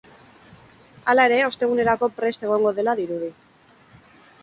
Hala ere, ostegunerako prest egongo dela dirudi.